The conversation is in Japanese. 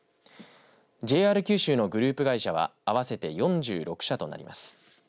ＪＲ九州のグループ会社は合わせて４６社となります。